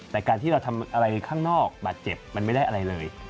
แต่การที่เราทำอะไรข้างนอกบาดเจ็บมันไม่ได้อะไรเลย